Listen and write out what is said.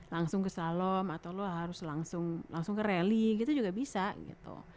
langsung ke slalom atau lo harus langsung ke rally gitu juga bisa gitu